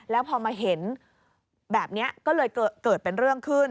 แล้วพอมาเห็นแบบนี้ก็เลยเกิดเป็นเรื่องขึ้น